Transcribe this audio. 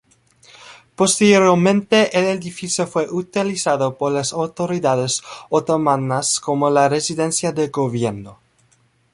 Posteriormente el edificio fue utilizado por las autoridades otomanas como la residencia del gobierno.